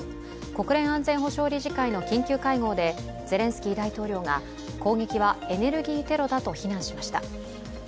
国連安全保障理事会の緊急理事会でゼレンスキー大統領が攻撃はエネルギーテロだと非難しました。